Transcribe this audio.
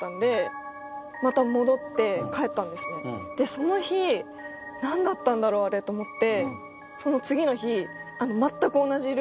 その日何だったんだろうあれと思って。